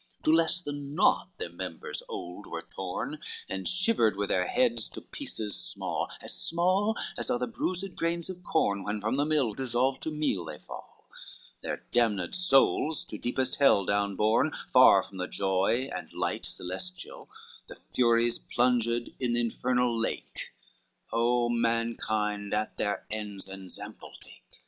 LXXXIX To less than naught their members old were torn, And shivered were their heads to pieces small, As small as are the bruised grains of corn When from the mill dissolved to meal they fall; Their damned souls, to deepest hell down borne Far from the joy and light celestial, The furies plunged in the infernal lake: O mankind, at their ends ensample take!